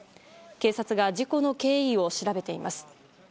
警察が事故の経緯を調べています。